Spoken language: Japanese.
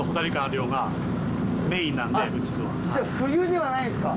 じゃあ冬にはないんですか？